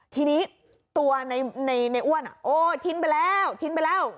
ทีนี้ตัวในอ้วนโอ้ทิ้งไปแล้วทิ้งไปแล้ว